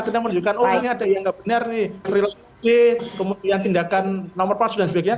tidak menunjukkan orangnya ada yang benar nih kemudian tindakan nomor pas dan sebagainya